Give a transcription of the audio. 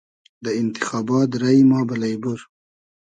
دۂ اینتیخابات رݷ ما بئلݷ بور